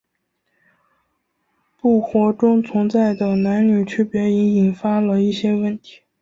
部活中存在的男女区别已引发了一些问题。